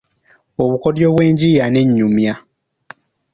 Obukodyo bw’enjiiya n’ennyumya